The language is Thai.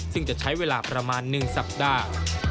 ซึ่งจะใช้เวลาประมาณ๑สัปดาห์